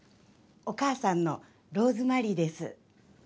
お母さんのローズマリーです。